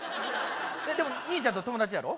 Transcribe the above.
でも兄ちゃんと友達やろ？